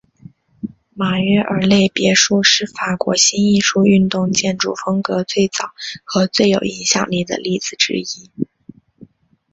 马约尔勒别墅是法国新艺术运动建筑风格最早和最有影响力的例子之一。